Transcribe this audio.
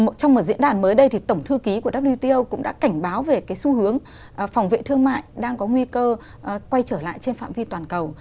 trong một diễn đàn mới đây thì tổng thư ký của wto cũng đã cảnh báo về cái xu hướng phòng vệ thương mại đang có nguy cơ quay trở lại trên phạm vi toàn cầu